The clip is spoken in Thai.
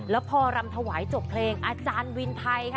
แล้วพอรำถวายจบเพลงอาจารย์วินไทยค่ะ